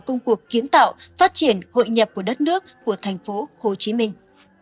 công cuộc kiến tạo phát triển hội nhập của đất nước của thành phố hồ chí minh